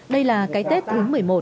đây là cái tết thứ một mươi một